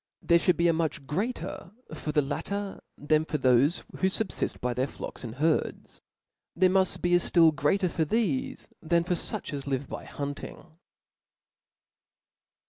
There fhould be a much greater for the latter, than for thofe who fubfift by their flocks and herds. There muft be a ftill greater for thefe, than for fuch as live ^ |)y hunting.